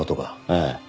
ええ。